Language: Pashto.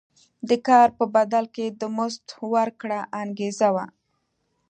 د کار په بدل کې د مزد ورکړه انګېزه وه.